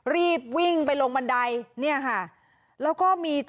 รีบวิ่งไปลงบันได